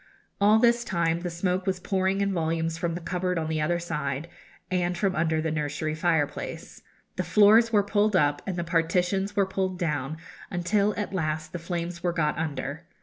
All this time the smoke was pouring in volumes from the cupboard on the other side, and from under the nursery fireplace. The floors were pulled up, and the partitions were pulled down, until at last the flames were got under.